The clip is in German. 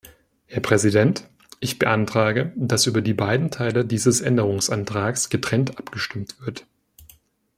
Herr Präsident, ich beantrage, dass über die beiden Teile dieses Änderungsantrags getrennt abgestimmt wird.